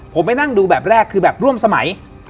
ผมไปนั่งดูแบบแรกคือแบบร่วมสมัย